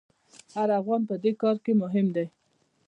هر افغان په دې کار کې مهم دی.